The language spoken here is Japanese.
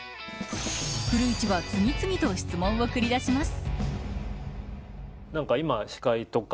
古市は次々と質問を繰り出します